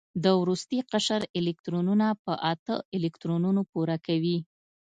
د وروستي قشر الکترونونه په اته الکترونونو پوره کوي.